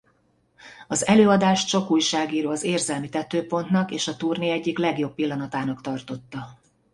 Az előadást sok újságíró az érzelmi tetőpontnak és a turné egyik legjobb pillanatának tartotta.